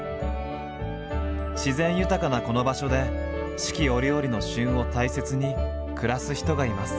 自然豊かなこの場所で四季折々の「旬」を大切に暮らす人がいます。